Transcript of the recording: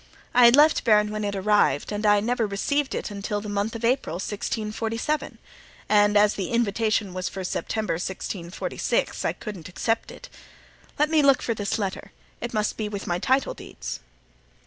I had left Bearn when it arrived and I never received it until the month of April, 1647; and as the invitation was for September, 1646, I couldn't accept it. Let me look for this letter; it must be with my title deeds."